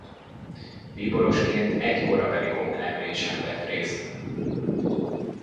Bíborosként egy korabeli konklávén sem vett részt.